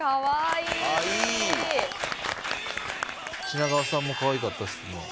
品川さんもかわいかったですね。